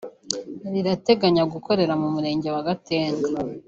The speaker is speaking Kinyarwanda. rirateganya gukorera mu murenge wa Gatenga